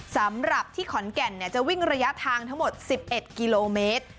สำหรับที่ขอนแก่นจะวิ่งระยะทางทั้งหมด๑๑กิโลเมตร